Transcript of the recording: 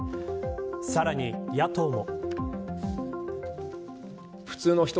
さらに野党も。